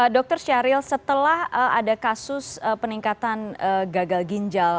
dokter syahril setelah ada kasus peningkatan gagal ginjal